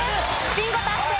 ビンゴ達成！